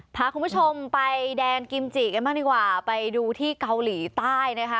พาคุณผู้ชมไปแดนกิมจิกันบ้างดีกว่าไปดูที่เกาหลีใต้นะคะ